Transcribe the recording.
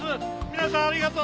皆さんありがとう！